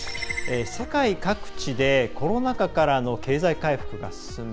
世界各地でコロナ禍からの経済回復が進む